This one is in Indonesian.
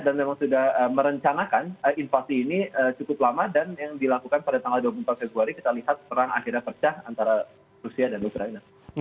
dan kita memang sudah merencanakan invasi ini cukup lama dan yang dilakukan pada tanggal dua puluh empat februari kita lihat perang akhirnya percah antara rusia dan ukraina